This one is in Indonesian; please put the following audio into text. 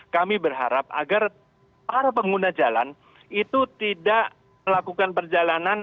kami berharap agar para pengguna jalan itu tidak melakukan perjalanan